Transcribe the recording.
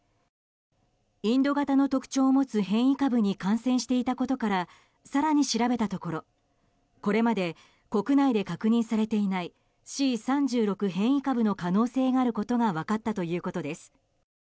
インド型の特徴を持つ変異株に感染していたことから更に調べたところ、これまで国内で確認されていないＣ３６変異株の可能性があることが分かったということです。